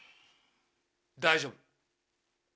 大丈夫。